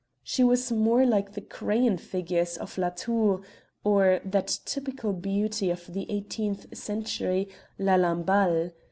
She was more like the crayon figures of Latour, or that typical beauty of the eighteenth century, la Lamballe.